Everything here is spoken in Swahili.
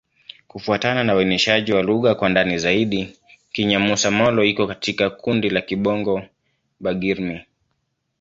Kufuatana na uainishaji wa lugha kwa ndani zaidi, Kinyamusa-Molo iko katika kundi la Kibongo-Bagirmi.